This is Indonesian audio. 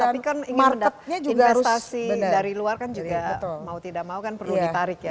tapi kan ingin investasi dari luar kan juga mau tidak mau kan perlu ditarik ya